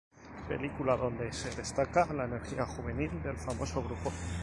Película donde se destaca la energía juvenil del famoso grupo.